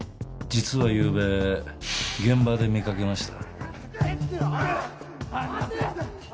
実はゆうべ現場で見かけました。